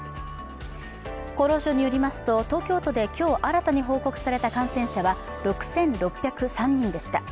厚労省によりますと東京都で今日新たに報告された感染者は６６０３人でした。